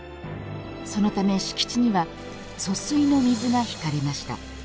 そのため、敷地には疎水の水が引かれました。